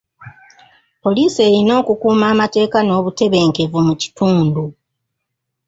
Police erina okukuuma amateeka n'obutebenkevu mu kitundu.